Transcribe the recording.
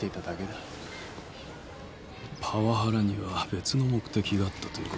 パワハラには別の目的があったということか。